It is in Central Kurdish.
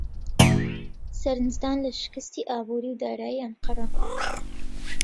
سەرنجدان لە شکستی ئابووری و دارایی ئەنقەرە